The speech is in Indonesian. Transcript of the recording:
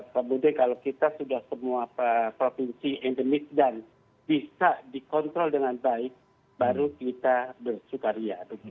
kemudian kalau kita sudah semua provinsi endemis dan bisa dikontrol dengan baik baru kita bersukaria